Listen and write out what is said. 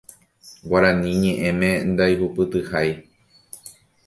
Guarani ñe'ẽme ndaihupytyhái